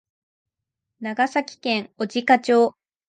長崎県小値賀町